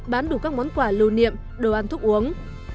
bán đủ các món quả lưu niệm đồ ăn thuốc uống